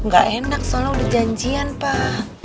gak enak soalnya udah janjian pak